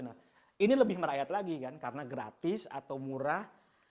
nah ini lebih merayat lagi kan karena gratis atau murah